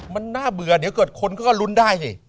มันน่าเบื่อเดี๋ยวเกิดคนเขาก็ลุ้นได้สิ